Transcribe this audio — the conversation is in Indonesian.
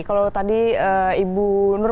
kalau tadi ibu nur